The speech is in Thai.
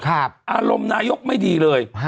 อารมณ์นายกไม่ดีเลย